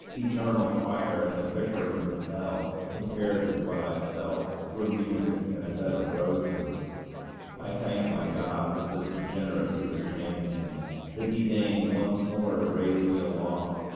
Eternal fire and the bickerings of hell, compared with what I felt, were music and a bed of roses. I thank my God that this degeneracy was transient that He deigned once more to raise me aloft.